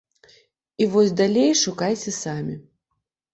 І вось далей шукайце самі.